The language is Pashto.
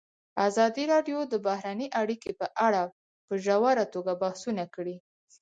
ازادي راډیو د بهرنۍ اړیکې په اړه په ژوره توګه بحثونه کړي.